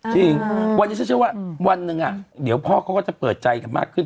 จริงคือว่าวันนึงเดี๋ยวพ่อเขาก็จะเปิดใจกันมากขึ้น